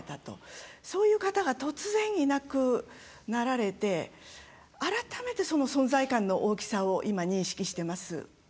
そういう方が突然いなくなられて改めて、その存在感の大きさを今、認識してます。